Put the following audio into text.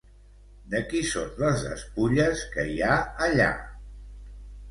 De qui són les despulles que hi ha allà?